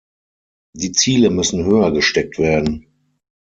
Die Ziele müssen höher gesteckt werden.